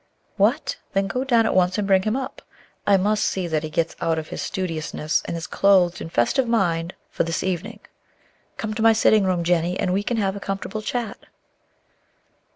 "What! Then go down at once and bring him up. I must see that he gets out of his studiousness and is clothed in festive mind for this evening. Come to my sitting room, Jennie, and we can have a comfortable chat."